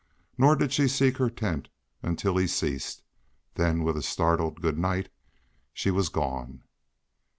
Nor did she seek her tent till he ceased; then with a startled "good night" she was gone.